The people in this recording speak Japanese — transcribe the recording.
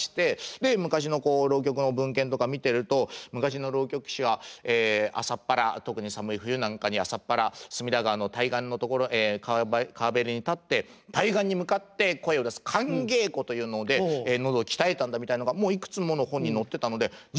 で昔の浪曲の文献とか見てると昔の浪曲師は朝っぱら特に寒い冬なんかに朝っぱら隅田川の対岸の所川べりに立って対岸に向かって声を出す寒稽古というので喉を鍛えたんだみたいのがもういくつもの本に載ってたのでじゃ